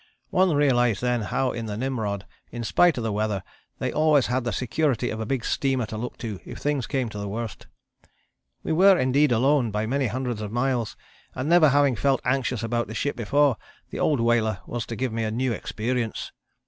One realized then how in the Nimrod in spite of the weather they always had the security of a big steamer to look to if things came to the worst. We were indeed alone, by many hundreds of miles, and never having felt anxious about a ship before, the old whaler was to give me a new experience.